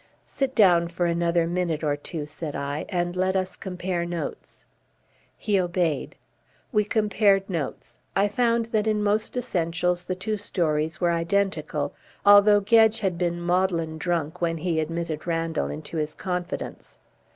"Sit down for another minute or two," said I, "and let us compare notes." He obeyed. We compared notes. I found that in most essentials the two stories were identical, although Gedge had been maudlin drunk when he admitted Randall into his confidence.